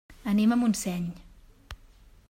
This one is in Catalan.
Anem a Montseny.